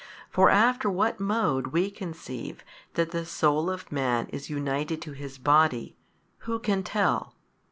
For after what mode we conceive that the soul of man is united to his body, who can tell?